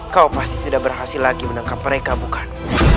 kau pasti tidak berhasil lagi menangkap mereka bukan